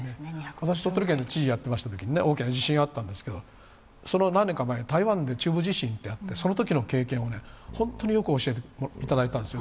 私、鳥取県の知事をやっていましたとき、大きな地震がありましたけれども、その何年か前、台湾で中部地震があってそのときの経験を本当によく教えていただいたんですよ。